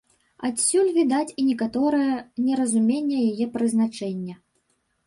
Адсюль, відаць, і некаторае неразуменне яе прызначэння.